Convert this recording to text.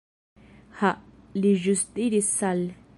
Ha, li ĵus diris "Sal."